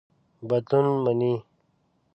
بدلون مني.